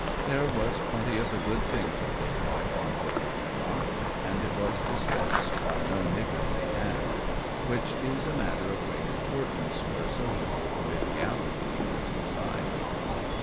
There was plenty of the good things of this life on board the Eamont, and it was dispensed by no niggardly hand, which is a matter of great importance where sociable NIE WCHWANG. 43 conviviality is desired.